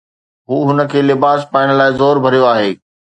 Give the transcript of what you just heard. هو هن کي لباس پائڻ لاءِ زور ڀريو آهي.